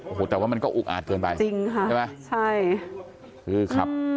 โอ้โหแต่ว่ามันก็อุกอาจเกินไปจริงค่ะใช่ไหมใช่คือขับ